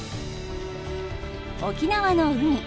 沖縄の海